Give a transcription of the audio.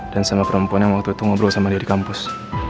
dan sama perempuan yang waktu itu ngobrol sama dia di kampus